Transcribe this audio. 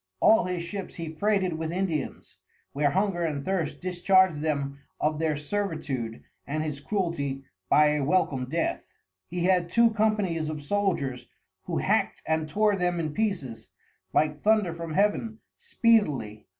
All his Ships he freighted with Indians, where Hunger and Thirst discharg'd them of their Servitude and his Cruelty by a welcome Death. He had two Companies of Soldiers who hackt and tore them in pieces, like Thunder from Heaven speedily.